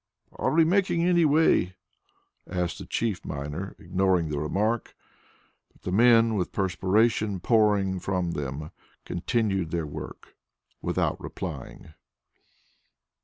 "Are we making any way?" asked the chief miner, ignoring the remark. But the men, with perspiration pouring from them, continued their work without replying.